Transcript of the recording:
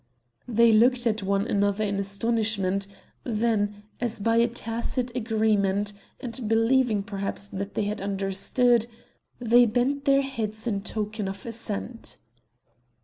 They looked at one another in astonishment; then, as by a tacit agreement, and believing perhaps that they had understood, they bent their heads in token of assent.